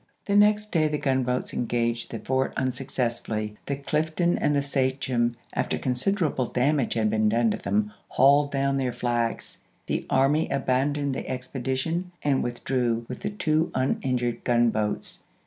The next day the gunboats engaged the chap.xi. fort unsuccessfully; the Clifton and the Sachem^ after considerable damage had been done to them, hauled down their flags ; the army abandoned the expedition and withdi'ew with the two uninjured gunboats.